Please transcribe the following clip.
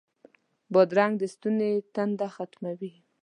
بادرنګ د ستوني تنده ختموي.